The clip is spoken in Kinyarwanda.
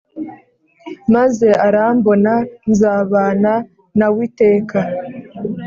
Maze arambona, Nzabana naw’iteka.